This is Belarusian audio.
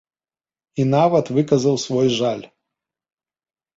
І нават выказаў свой жаль.